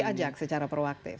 diajak secara proaktif